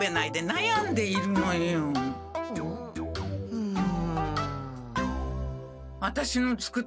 うん。